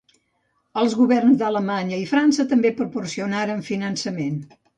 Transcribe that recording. Els governs d'Alemanya i França també proporcionaren finançament.